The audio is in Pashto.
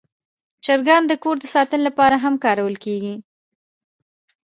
چرګان د کور د ساتنې لپاره هم کارول کېږي.